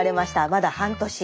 まだ半年。